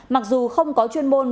mặc dù không có chuyên môn